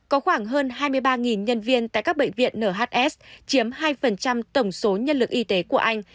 có khoảng hơn hai mươi ba nhân viên tại các bệnh viện nhs chiếm hai tổng số nhân lực y tế của anh